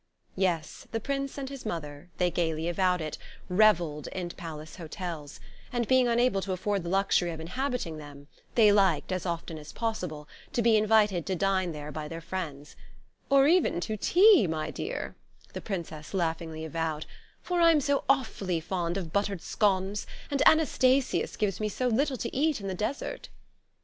Yes: the Prince and his mother (they gaily avowed it) revelled in Palace Hotels; and, being unable to afford the luxury of inhabiting them, they liked, as often as possible, to be invited to dine there by their friends "or even to tea, my dear," the Princess laughingly avowed, "for I'm so awfully fond of buttered scones; and Anastasius gives me so little to eat in the desert."